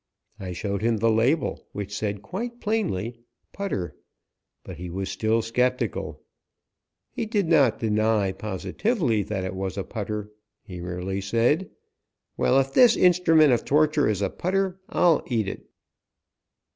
I showed him the label, which said quite plainly "putter," but he was still skeptical. He did not deny positively that it was a putter; he merely said, "Well, if this instrument of torture is a putter, I'll eat it."